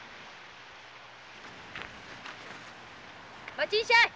待ちんしゃい！